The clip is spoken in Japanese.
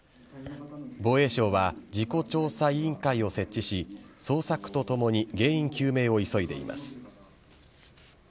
防衛省は、事故調査委員会を設置し、捜索とともに原因究明を急いでいます。